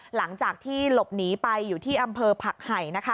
หลังจากที่หลบหนีไปอยู่ที่อำเภอผักไห่